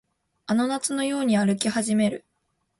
あの夏のように歩き始める